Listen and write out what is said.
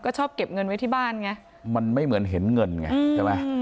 ก็ชอบเก็บเงินไว้ที่บ้านไงมันไม่เหมือนเห็นเงินไงใช่ไหม